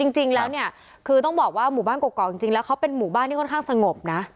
จริงแล้วเนี่ยคือต้องบอกว่าหมู่บ้านกรอกจริงแล้วเขาเป็นหมู่บ้านที่ค่อนข้างสงบนะ